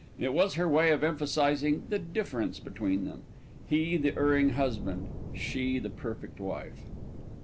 It was her way of emphasising the difference between them; he the erring husband, she the perfect wife.